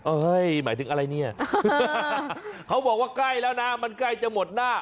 หมายถึงอะไรเนี่ยเขาบอกว่าใกล้แล้วนะมันใกล้จะหมดหน้า